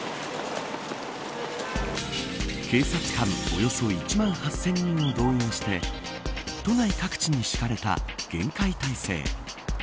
およそ１万８０００人を動員して都内各地にしかれた厳戒態勢。